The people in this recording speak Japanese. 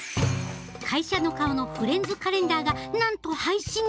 会社の顔のフレンズカレンダーがなんと廃止に！